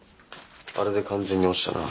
あれで完全に落ちたな。